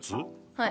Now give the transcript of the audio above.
はい。